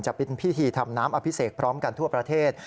จะเป็นพิธีทำน้ำอภิเษกพร้อมกันทั่วประเทศ